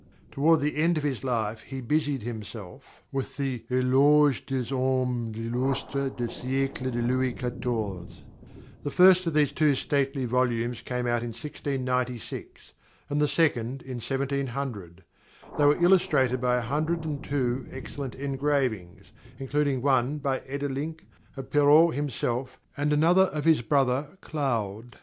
Toward the end of his life he busied himself with the "Éloges des Hommes Illustres du Siècle de Louis XIV." The first of these two stately volumes came out in 1696 and the second in 1700. They were illustrated by a hundred and two excellent engravings, including one, by Edelinck, of Perrault himself and another of his brother Claude.